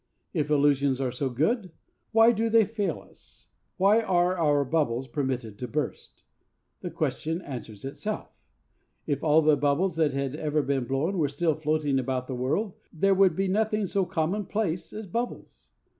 If illusions are so good, why do they fail us? Why are our bubbles permitted to burst? The question answers itself. If all the bubbles that had ever been blown were still floating about the world, there would be nothing so commonplace as bubbles.